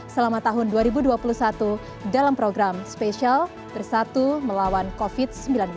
selama tahun dua ribu dua puluh satu dalam program spesial bersatu melawan covid sembilan belas